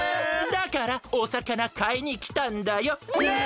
だからおさかなかいにきたんだよ。ね！